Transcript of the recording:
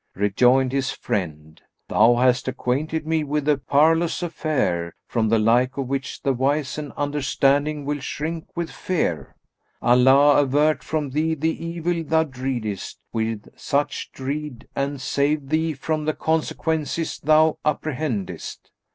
Rejoined his friend, "Thou hast acquainted me with a parlous affair, from the like of which the wise and understanding will shrink with fear. Allah avert from thee the evil thou dreadest with such dread and save thee from the consequences thou apprehendest!